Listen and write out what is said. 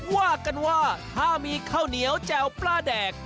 ว่ากันว่าถ้ามีข้าวเหนียวแจ่วปลาแดก